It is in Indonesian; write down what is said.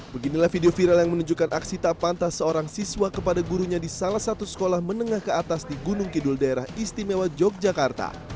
beginilah video viral yang menunjukkan aksi tak pantas seorang siswa kepada gurunya di salah satu sekolah menengah ke atas di gunung kidul daerah istimewa yogyakarta